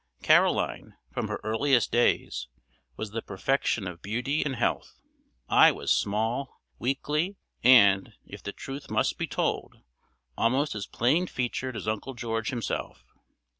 Caroline, from her earliest days, was the perfection of beauty and health. I was small, weakly, and, if the truth must be told, almost as plain featured as Uncle George himself.